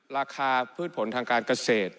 ราคาพืชผลทางการเกษตร